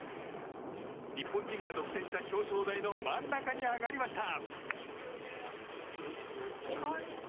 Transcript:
日本人が独占した表彰台の真ん中に上がりました。